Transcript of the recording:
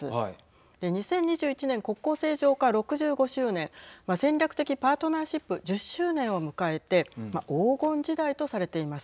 ２０２１年国交正常化６５周年戦略的パートナーシップ１０周年を迎えて黄金時代とされています。